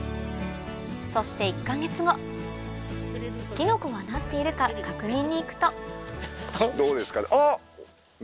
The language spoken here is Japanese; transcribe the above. そして１か月後キノコがなっているか確認に行くとどうですかあっ！